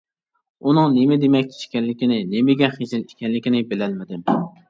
ئۇنىڭ نېمە دېمەكچى ئىكەنلىكىنى، نېمىگە خىجىل ئىكەنلىكىنى بىلەلمىدىم.